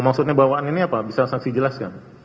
maksudnya bawaan ini apa bisa saksi jelaskan